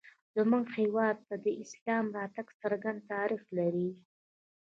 زموږ هېواد ته د اسلام راتګ څرګند تاریخ لري